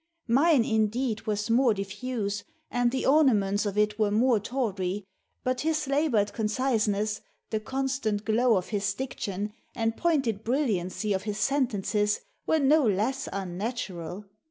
Mine, indeed, was more diffuse, and the ornaments of it were more tawdry; but his laboured conciseness, the constant glow of his diction, and pointed brilliancy of his sentences, were no less unnatural.